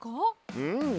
うん。